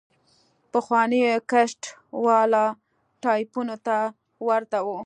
پخوانيو کسټ والا ټايپونو ته ورته وه.